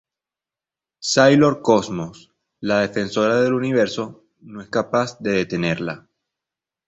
Sailor Cosmos, la defensora del Universo, no es capaz de detenerla.